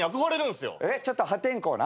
ちょっと破天荒な？